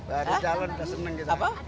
mbak ada calon yang senang